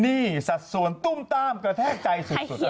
นี่สัดส่วนตุ้มต้ามกระแทกใจสุดเลย